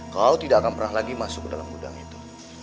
kau tidak akan pernah lagi masuk ke dalam gudang itu